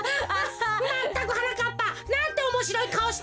まったくはなかっぱなんておもしろいかおしてんだ！